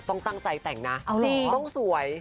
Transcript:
ต้องตั้งใจแต่งนะต้องสวย